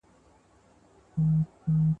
د خپل نیم واک څخه یې ګټه و انخستلای سوه